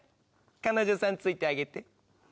彼女さんついてあげて。